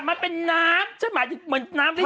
แต่มันเป็นน้ำใช่ไหมเหมือนน้ำลิ้นจี่